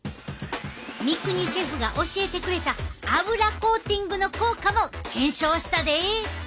三國シェフが教えてくれた油コーティングの効果も検証したで。